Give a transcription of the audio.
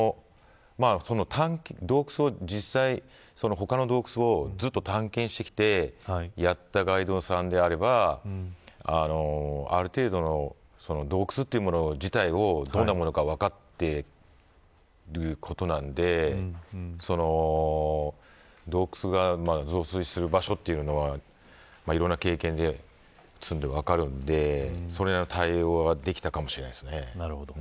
他の洞窟をずっと探検してきてやったガイドさんであればある程度、洞窟というもの自体をどんなものか分かっているので洞窟が増水する場所というのはいろいろな経験を積んで分かるのでその対応はできたかもしれないです。